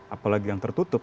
apalagi yang tertutup